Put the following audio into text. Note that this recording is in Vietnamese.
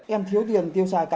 em thiếu tiền tiêu xài